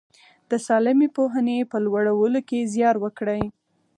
د سالمې پوهنې په لوړولو کې زیار وکړي.